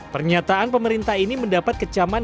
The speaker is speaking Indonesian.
pernyataan pemerintah ini mendapat kecaman